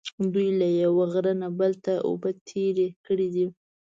دوی له یوه غره نه بل ته اوبه تېرې کړې دي.